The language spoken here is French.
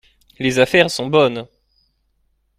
Les affaires sont bonnes.